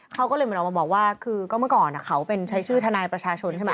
เขาก็เลยเหมือนออกมาบอกว่าคือก็เมื่อก่อนเขาเป็นใช้ชื่อทนายประชาชนใช่ไหม